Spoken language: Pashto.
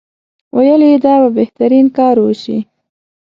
ویل یې دا به بهترین کار وشي.